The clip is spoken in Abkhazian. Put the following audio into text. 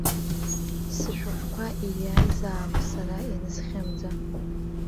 Сышәҟәқәа ириааизаап сара ианысхьымӡа!